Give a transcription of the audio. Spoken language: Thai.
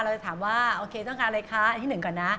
เลยถามว่าโอเคต้องการอะไรคะอันที่หนึ่งก่อนนะ